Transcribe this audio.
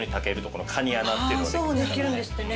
ああできるんですってね。